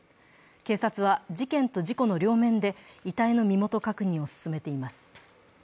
警察は事件と事故の両面で遺体の身元確認を進めています。